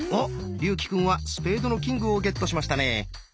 竜暉くんは「スペードのキング」をゲットしましたね。